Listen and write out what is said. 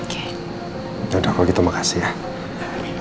janganlah begitu makasih ya